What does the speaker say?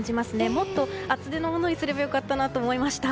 もっと厚手のものにすれば良かったなと思いました。